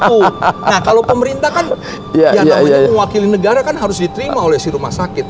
nah kalau pemerintah kan yang namanya mewakili negara kan harus diterima oleh si rumah sakit